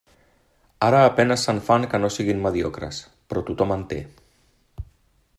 Ara a penes se'n fan que no siguin mediocres, però tothom en té.